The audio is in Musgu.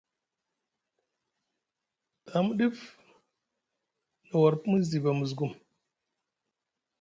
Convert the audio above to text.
Ta mu ɗif na war pinziba Musgum.